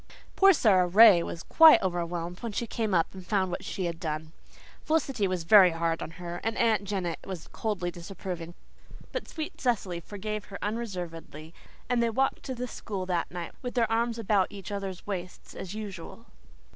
Poor Sara Ray was quite overwhelmed when she came up and found what she had done. Felicity was very hard on her, and Aunt Janet was coldly disapproving, but sweet Cecily forgave her unreservedly, and they walked to the school that night with their arms about each other's waists as usual.